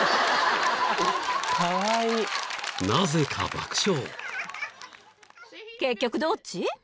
［なぜか爆笑］